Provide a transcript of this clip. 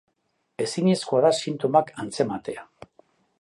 Ezinezkoa da sintomak antzematea.